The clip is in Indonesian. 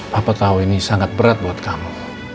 papa tahu ini sangat berat buat kamu